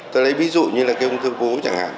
tôi lấy ví dụ như là cái ung thư cú chẳng hạn